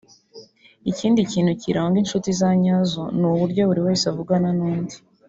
Ikindi kintu kiranga inshuti za nyazo ni uburyo buri wese avugana n’undi